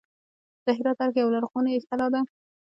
د هرات ارګ یوه لرغونې کلا ده